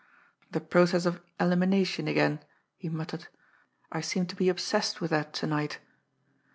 "The process of elimination again!" he muttered. "I seem to be obsessed with that to night.